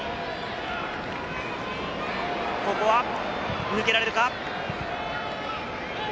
ここは抜けられるか？